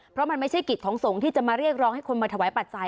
เพราะมันไม่ใช่กิจของสงฆ์ที่จะมาเรียกร้องให้คนมาถวายปัจจัย